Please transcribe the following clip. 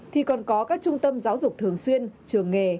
thì còn có các trung tâm giáo dục thường xuyên trường nghề